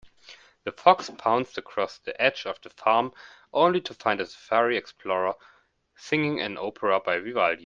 The fox pounced across the edge of the farm, only to find a safari explorer singing an opera by Vivaldi.